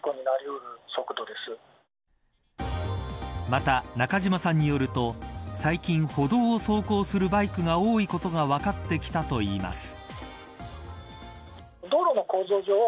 また中島さんによると最近、歩道を走行するバイクが多いことが分かってきたといいます。